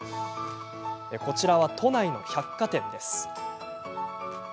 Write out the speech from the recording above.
こちらは都内の百貨店。